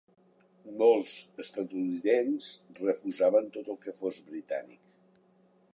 Molts estatunidencs refusaven tot el que fos britànic.